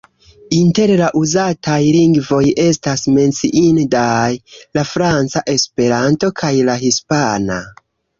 Inter la uzataj lingvoj estas menciindaj la franca, Esperanto kaj la hispana.